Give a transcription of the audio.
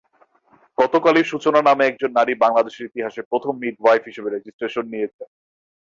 গতকালই সূচনা নামে একজন নারী বাংলাদেশের ইতিহাসে প্রথম মিডওয়াইফ হিসেবে রেজিস্ট্রেশন নিয়েছেন।